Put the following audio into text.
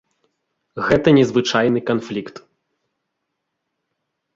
Гэта не звычайны канфлікт.